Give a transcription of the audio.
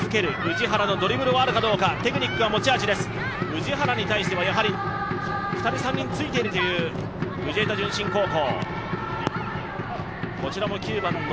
氏原に対しては２人、３人ついているという藤枝順心高校。